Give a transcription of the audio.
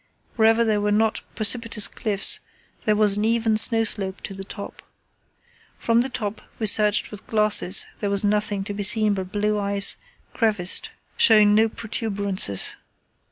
Wherever there were not precipitous cliffs there was an even snow slope to the top. From the top we searched with glasses; there was nothing to be seen but blue ice, crevassed, showing no protuberances.